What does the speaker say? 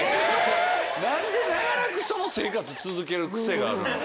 何で長らくその生活続ける癖があるの？